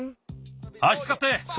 あしつかって！